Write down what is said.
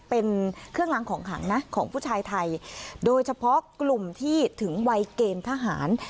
เป็นเครื่องล้างของขังนะของผู้ชายไทยโดยเฉพาะกลุ่มที่ถึงวัยเกณฑ์ทหาร